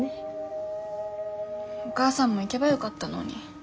お母さんも行けばよかったのに。